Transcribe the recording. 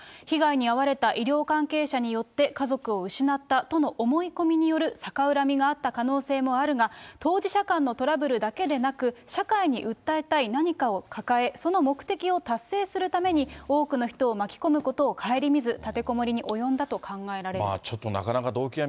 被害に遭われた医療関係者によって家族を失ったとの思い込みによる逆恨みがあった可能性もあるが、当事者間のトラブルだけでなく、社会に訴えたい何かを抱え、その目的を達成するために、多くの人を巻き込むことを顧みず、